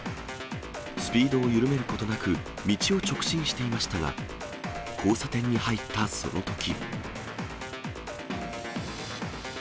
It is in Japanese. スピードを緩めることなく、道を直進していましたが、交差点に入ったそのとき。